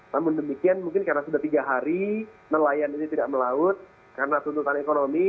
namun demikian mungkin karena sudah tiga hari nelayan ini tidak melaut karena tuntutan ekonomi